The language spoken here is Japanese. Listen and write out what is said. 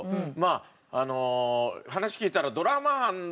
あ話聞いたら。